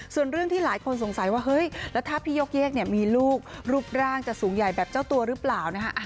ส่วนเรื่องที่หลายคนสงสัยว่าเฮ้ยแล้วถ้าพี่ยกเยกเนี่ยมีลูกรูปร่างจะสูงใหญ่แบบเจ้าตัวหรือเปล่านะคะ